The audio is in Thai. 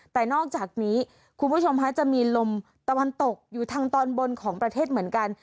แต่นอกจากนี้คุณผู้ชมค่ะจะมีลมตะวันตกอยู่ทางตอนบนของประเทศเหมือนกัน